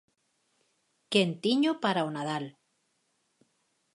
Quentiño para o Nadal.